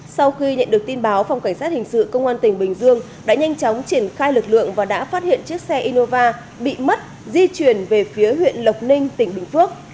sau khi nhận được tin báo phòng cảnh sát hình sự công an tỉnh bình dương đã nhanh chóng triển khai lực lượng và đã phát hiện chiếc xe innova bị mất di chuyển về phía huyện lộc ninh tỉnh bình phước